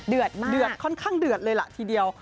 เดือดค่อนข้างเดือดเลยล่ะทีเดียว